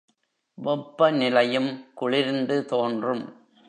வெப்ப நிலையும் குளிர்ந்து தோன்றும்.